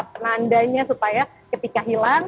tandanya supaya ketika hilang